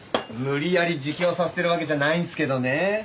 無理やり自供させてるわけじゃないんすけどね。